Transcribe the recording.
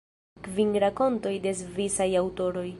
Kvin rakontoj de svisaj aŭtoroj.